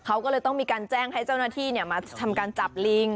เขาก็เลยต้องมีการแจ้งให้เจ้าหน้าที่มาทำการจับลิง